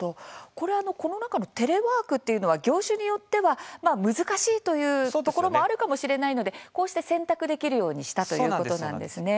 この中のテレワークというのは、業種によっては難しいというところもあるかもしれないので、こうして選択できるようにしたということなんですね。